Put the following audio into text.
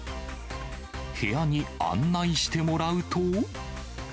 部屋に案内してもらうと。